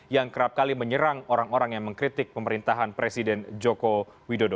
yang kerap kali menyerang orang orang yang mengkritik pemerintahan presiden joko widodo